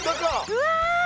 うわ！